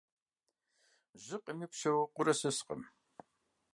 Жьы къемыпщэу къурэ сыскъым.